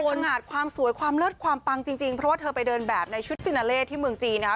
ขนาดความสวยความเลิศความปังจริงเพราะว่าเธอไปเดินแบบในชุดฟินาเล่ที่เมืองจีนนะคะ